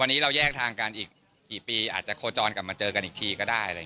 วันนี้เราแยกทางกันอีกกี่ปีอาจจะโคจรกลับมาเจอกันอีกทีก็ได้